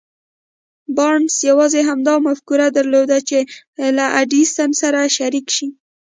بارنس يوازې همدا مفکوره درلوده چې له ايډېسن سره شريک شي.